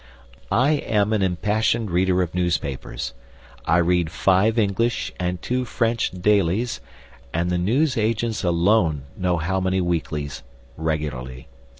I am an impassioned reader of newspapers. I read five English and two French dailies, and the news agents alone know how many weeklies, regularly.